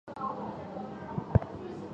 毕业于多摩美术大学平面设计系。